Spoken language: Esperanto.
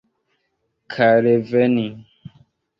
Kaj reveni.